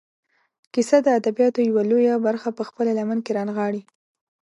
کیسه د ادبیاتو یوه لویه برخه په خپله لمن کې رانغاړي.